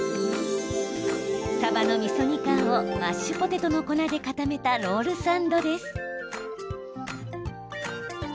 さばのみそ煮缶をマッシュポテトの粉で固めたロールサンドです。